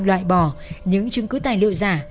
loại bỏ những chứng cứ tài liệu giả